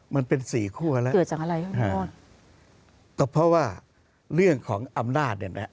มันเป็นสี่คั่วแล้วก็เพราะว่าเรื่องของอำนาจเนี่ยนะ